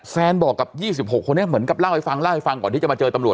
บอกกับ๒๖คนนี้เหมือนกับเล่าให้ฟังเล่าให้ฟังก่อนที่จะมาเจอตำรวจ